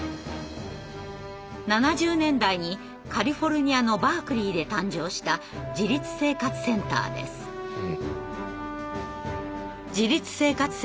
７０年代にカリフォルニアのバークリーで誕生した「自立生活センター」は障害者自身が運営する組織です。